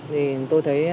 thì tôi thấy